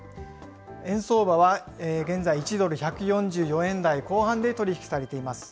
円相場は現在、１ドル１４４円台後半で取り引きされています。